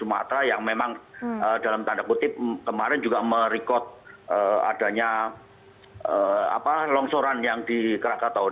sumatera yang memang dalam tanda kutip kemarin juga merekod adanya longsoran yang di krakatau